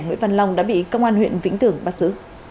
nguyễn văn long đã bị công an huyện vĩnh tường bắt giữ